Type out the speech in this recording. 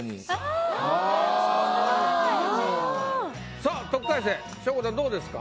さあ特待生しょこたんどうですか？